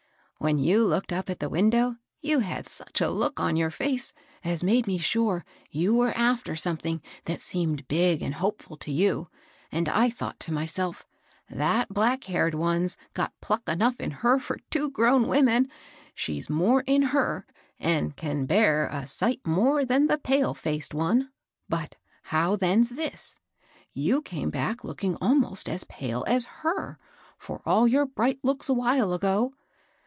When you looked up at the window, you had such a look on your &ce as made me sure you were aft; er some thing that seemed big and hopeftd to you ; and I thought to myself, * That black haired one's got pluck enough in her for two well grown women ; she's more in her, and can bear a sight more than the pale faced one.' But how then's this ? You came back looking almost pale as her, for all your bright looks a while ago.